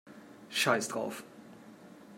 Scheiß drauf!